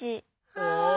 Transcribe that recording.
ああ。